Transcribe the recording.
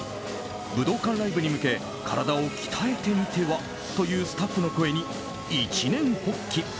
武道館ライブに向け体を鍛えてみては？というスタッフの声に一念発起。